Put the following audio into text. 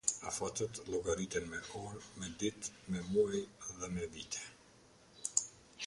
Afatet llogariten me orë, me ditë, me muaj dhe me vite.